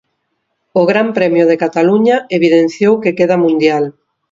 O Gran Premio de Cataluña evidenciou que queda Mundial.